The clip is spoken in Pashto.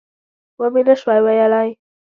ومې نه شوای ویلای.